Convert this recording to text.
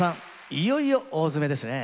いよいよ大詰めですね。